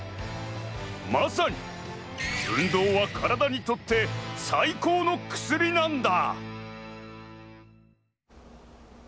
まさに運動はカラダにとって最高の薬なんだ！